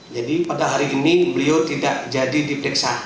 jadi pada hari ini beliau tidak jadi dipriksa